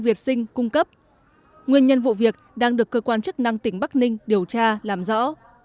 việt sinh cung cấp nguyên nhân vụ việc đang được cơ quan chức năng tỉnh bắc ninh điều tra làm rõ